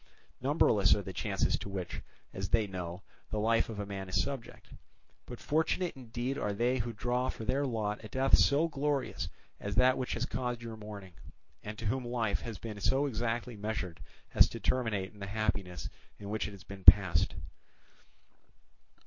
Numberless are the chances to which, as they know, the life of man is subject; but fortunate indeed are they who draw for their lot a death so glorious as that which has caused your mourning, and to whom life has been so exactly measured as to terminate in the happiness in which it has been passed.